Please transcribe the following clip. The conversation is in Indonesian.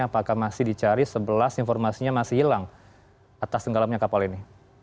apakah masih dicari sebelas informasinya masih hilang atas tenggelamnya kapal ini